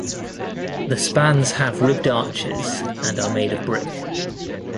The spans have ribbed arches and are made of brick.